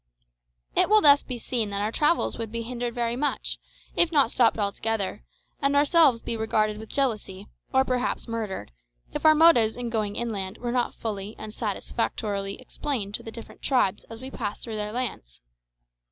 It will thus be seen that our travels would be hindered very much, if not stopped altogether, and ourselves be regarded with jealousy, or perhaps murdered, if our motives in going inland were not fully and satisfactorily explained to the different tribes as we passed through their lands.